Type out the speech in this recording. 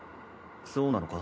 そうなのか？